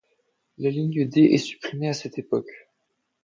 La ligne D est supprimée à cette époque.